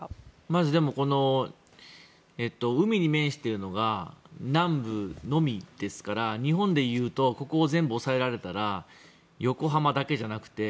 まず、海に面しているのが南部のみですから日本でいうとここを全部押さえられたら横浜だけじゃなくて